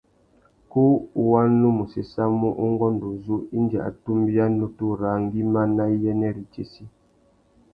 Kú wa nu mù séssamú ungôndô uzu indi a tumbia nutu râā ngüimá nà iyênêritsessi.